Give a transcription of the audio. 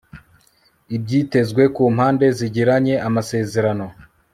ibyitezwe ku mpande zigiranye amasezerano